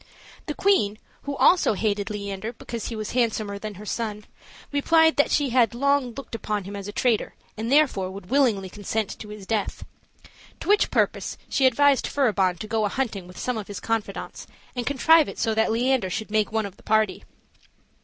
The queen, who also hated Leander, because he was handsomer than her son, replied that she had long looked upon him as a traitor, and therefore would willingly consent to his death. To which purpose she advised Furibon to go a hunting with some of his confidants, and contrive it so that Leander should make one of the party.